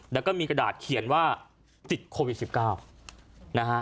แล้วก็มีกระดาษเขียนว่าติดโควิด๑๙นะฮะ